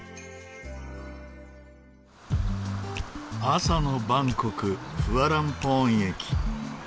朝のバンコクフアランポーン駅。